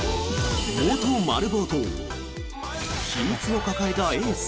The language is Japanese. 元マル暴と秘密を抱えたエース